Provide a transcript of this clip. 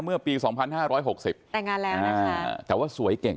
เมื่อปีสองพันห้าร้อยหกสิบแต่งานแล้วนะคะอ่าแต่ว่าสวยเก่ง